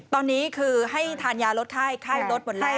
ตอนนี้คือให้ทานยาลดไข้ไข้ลดหมดแล้ว